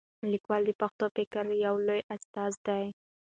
لیکوال د پښتو فکر یو لوی استازی دی.